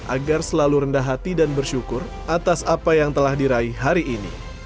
agar selalu rendah hati dan bersyukur atas apa yang telah diraih hari ini